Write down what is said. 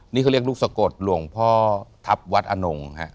นี่เขาเรียกลูกสะกดหลวงพ่อทัพวัดอนงฮะ